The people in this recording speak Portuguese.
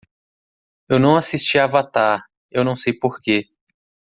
Eu não assisti Avatar, eu não sei porque.